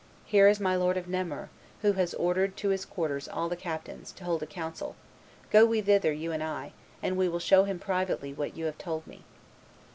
Here is my lord of Nemours, who has ordered to his quarters all the captains, to hold a council; go we thither, you and I, and we will show him privately what you have told me.